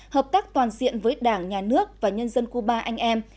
hợp tác toàn diện với đảng nhà nước và nhân dân cuba anh em